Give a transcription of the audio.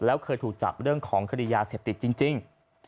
แล้วเคยถูกจับเรื่องของคดียาเสพติดจริง